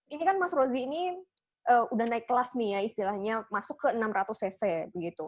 ini kan mas rozi ini udah naik kelas nih ya istilahnya masuk ke enam ratus cc begitu